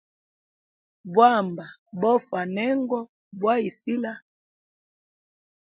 Bwamba bofa nengo boisila.